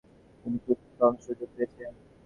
তিনি খুব কম সুযোগ পেয়েছেন।